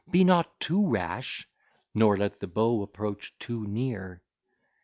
be not too rash, Nor let the beaux approach too near.